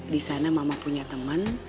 disana mama punya temen